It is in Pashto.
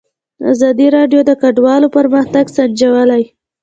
ازادي راډیو د کډوال پرمختګ سنجولی.